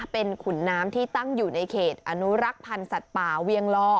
เป็นขุนน้ำที่ตั้งอยู่ในเขตอนุรักษ์พันธ์สัตว์ป่าเวียงลอ